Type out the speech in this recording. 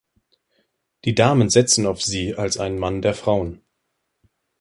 Die Damen setzen auf Sie als einen Mann der Frauen!